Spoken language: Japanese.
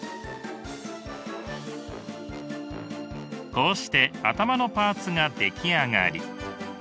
こうして頭のパーツが出来上がり。